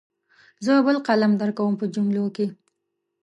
زه بل قلم درکوم په جملو کې.